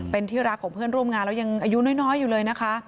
เป็นที่รักของเพื่อนร่วมงานแล้วยังอายุน้อยอยู่เลยนะคะ